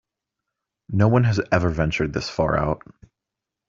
No one has ever ventured this far out.